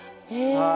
はい。